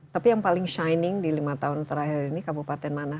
tapi yang paling signing di lima tahun terakhir ini kabupaten mana